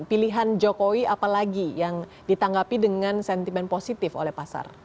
pilihan jokowi apalagi yang ditanggapi dengan sentimen positif oleh pasar